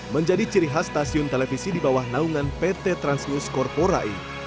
menjadi ciri khas stasiun televisi di bawah naungan pt transnews corporai